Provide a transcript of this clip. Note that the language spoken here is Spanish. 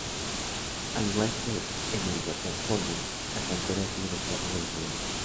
Al igual que en el waterpolo, la cantera sigue los pasos de los mayores.